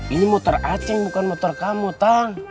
ini motor acing bukan motor kamu tang